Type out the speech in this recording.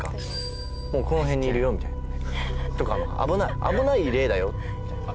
もうこの辺にいるよみたいな危ない危ない霊だよみたいな赤？